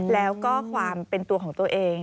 แล้วก็ความเป็นตัวของตัวเอง